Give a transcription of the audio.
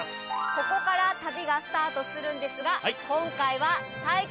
ここから旅がスタートするんですが。